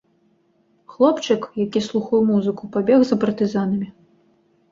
Хлопчык, які слухае музыку, пабег за партызанамі.